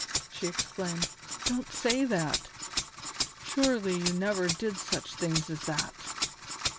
she exclaimed, "don't say that. Surely you never did such things as that?"